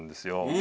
え。